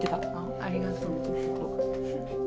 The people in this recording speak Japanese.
ありがとう。